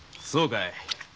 そうかい。